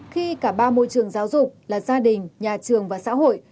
khi cả ba môi trường giáo dục là gia đình nhà trường và xã hội